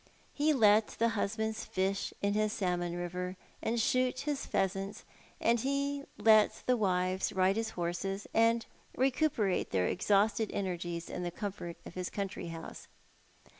Ho let the husbands fish in his salmon river and shoot his pheasants, and he let the wives ride his horses, and recuperate their exhausted energies in the comfort of his country house.